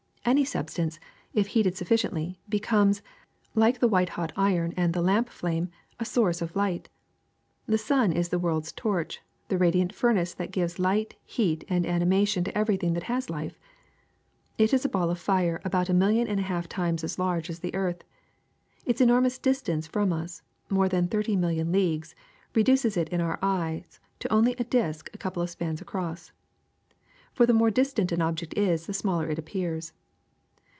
Any substance, if heated sufficiently, be comes, like the white hot iron and the lamp flame, a source of light. The sun is the world's torch, the radiant furnace that gives light, heat, and animation to everything, that has life. It is a ball of fire about a million and a half times as large as the earth. Its enormous distance from us — more than thirty millions of leagues — reduces it in our eyes to a disk only a couple of spans across; for the more distant an object is the smaller it ap pears.